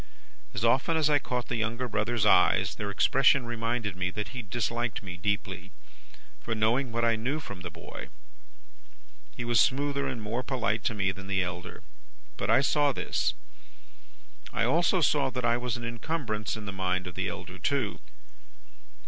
As often as I caught the younger brother's eyes, their expression reminded me that he disliked me deeply, for knowing what I knew from the boy. He was smoother and more polite to me than the elder; but I saw this. I also saw that I was an incumbrance in the mind of the elder, too.